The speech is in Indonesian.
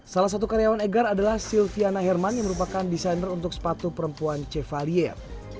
salah satu karyawan egar adalah silviana herman yang merupakan desainer untuk sepatu perempuan chevalier